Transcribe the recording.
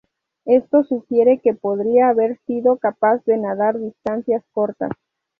Esto sugiere que podría haber sido capaz de nadar distancias cortas.